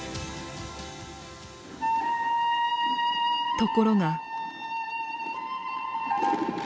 ところが。